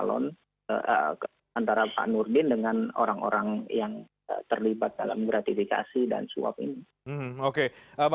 ya kalau dilihat dari indikas regelnya masanya eric